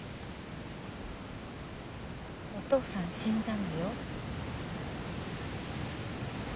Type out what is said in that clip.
お父さん死んだのよ。